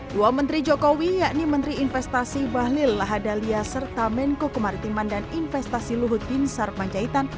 dua menteri jokowi yakni menteri investasi bahlil lahadalia serta menko kemaritiman dan investasi luhut binsar panjaitan